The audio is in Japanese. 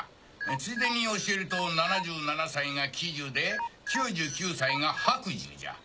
ついでに教えると７７歳が「喜寿」で９９歳が「白寿」じゃ。